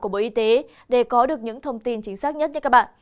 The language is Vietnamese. bộ y tế để có được những thông tin chính xác nhất nhé các bạn